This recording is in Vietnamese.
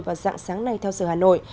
và dạng sáng nay theo giờ hà nội